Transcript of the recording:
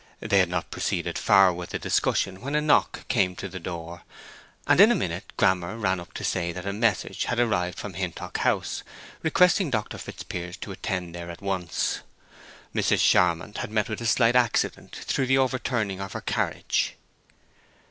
They had not proceeded far with the discussion when a knock came to the door, and in a minute Grammer ran up to say that a message had arrived from Hintock House requesting Dr. Fitzpiers to attend there at once. Mrs. Charmond had met with a slight accident through the overturning of her carriage.